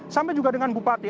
sampai juga dengan bupati